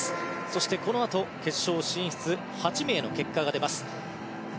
そしてこのあと決勝進出８名の結果が出ます。